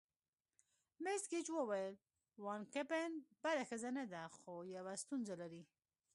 مس ګیج وویل: وان کمپن بده ښځه نه ده، خو یوه ستونزه لري.